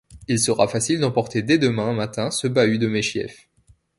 Il sera facile d’emporter dès demain matin ce bahut de meschief.